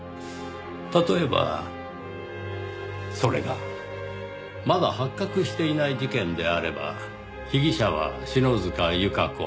例えばそれがまだ発覚していない事件であれば被疑者は篠塚由香子。